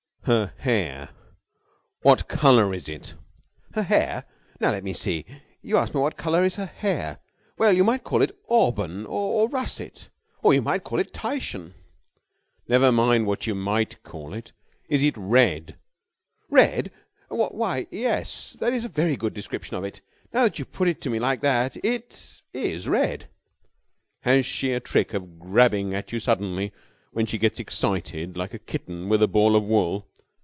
"Her hair! What colour is it?" "Her hair? Now, let me see. You ask me what colour is her hair. Well, you might call it auburn ... or russet ... or you might call it Titian...." "Never mind what you might call it. Is it red?" "Red? Why, yes. That is a very good description of it. Now that you put it to me like that, it is red." "Has she a trick of grabbing at you suddenly, when she gets excited, like a kitten with a ball of wool?"